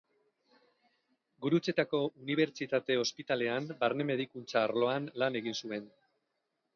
Gurutzetako Unibertsitate Ospitalean barne-medikuntza arloan lan egin zuen.